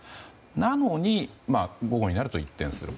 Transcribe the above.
なのに、午後になると一転する。